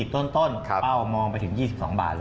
อ๋อตอน๒๐ต้นเป้ามองไปถึง๒๒บาทแล้ว